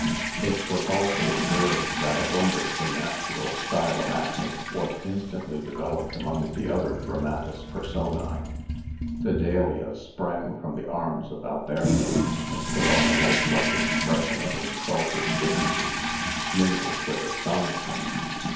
It was also observed that a wonderfully natural style of acting was instantly developed among the other dramatis personae. Fidelia sprang from the arms of Alberto, and put on a lifelike expression of insulted dignity, mingled with astonishment.